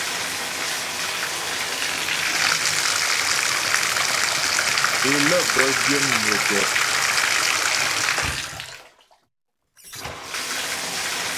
É lə́ bə́ gyə̂ mnwə tɛ́'.